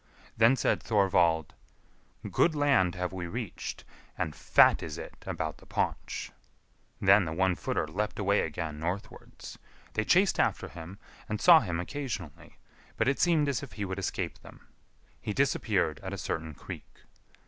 Then said Thorvald, "Good land have we reached, and fat is it about the paunch." Then the One footer leapt away again northwards. They chased after him, and saw him occasionally, but it seemed as if he would escape them. He disappeared at a certain creek.